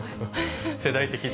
世代的に？